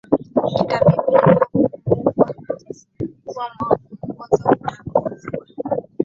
kitabibu Inafaa kukumbukwa kuwa Mwongozo Utambuzi wa